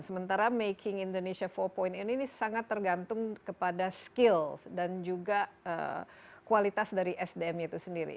sementara making indonesia empat ini sangat tergantung kepada skills dan juga kualitas dari sdm itu sendiri